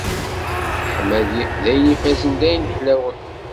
Leḥmadi, d ayen ifazen, d ayen ḥlawen.